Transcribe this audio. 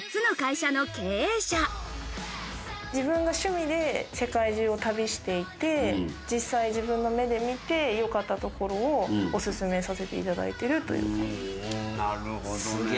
自分の趣味で世界中を旅していて、実際、自分の目で見て、よかったところをおすすめさせていただいているという。